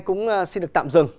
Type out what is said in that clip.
cũng xin được tạm dừng